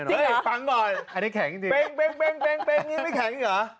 จริงเหรอฟังก่อนอันนี้แข็งจริงนี่ไม่แข็งอีกเหรอ